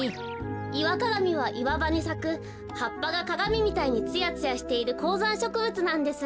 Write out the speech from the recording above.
イワカガミはいわばにさくはっぱがかがみみたいにツヤツヤしているこうざんしょくぶつなんです。